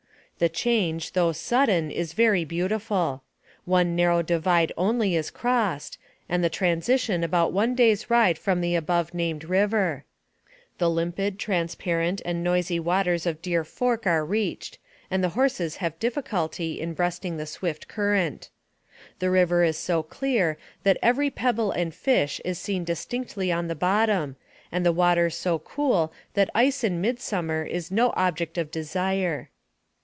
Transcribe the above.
The change, though sudden, is very beautiful. One narrow divide only is crossed, and the transition about one day's ride from the above named river. The lim pid, transparent, and noisy waters of Deer Fork are reached, and the horses have difficulty in breasting the swift current. The river is so clear that every pebble and fish is seen distinctly on the bottom, and the water so cool that ice in midsummer is no object of desire.